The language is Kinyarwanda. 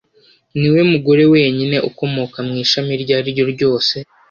Niwe mugore wenyine ukomoka mu ishami iryo ari ryo ryose